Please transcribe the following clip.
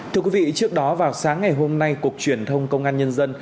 thưa quý vị trước đó vào sáng ngày hôm nay cục truyền thông công an nhân dân